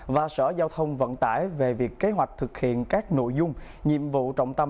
và sở giao thông vận tải về việc kế hoạch thực hiện các nội dung nhiệm vụ trọng tâm